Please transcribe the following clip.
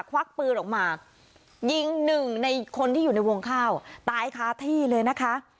ควักปืนออกมายิงหนึ่งในคนที่อยู่ในวงข้าวตายค้าที่เลยนะคะ